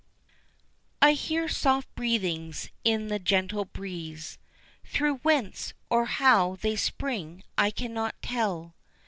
I hear soft breathings in the gentle breeze, Though whence or how they spring I cannot tell.